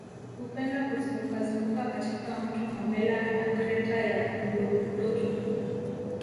Hupenda kuzungukazunguka katika mto Momella na Kreta ya Ngurudoto